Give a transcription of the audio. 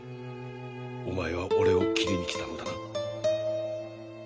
お前は俺を斬りに来たのだな？